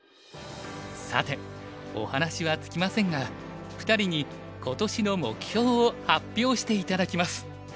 さてお話は尽きませんが２人に今年の目標を発表して頂きます。